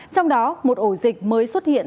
trong đó một ổ dịch mới xuất hiện